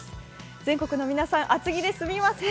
全国の皆さん、厚着ですみません。